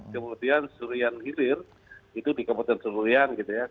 kemudian surian hilir itu di kabupaten surian gitu ya